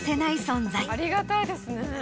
ありがたいですね。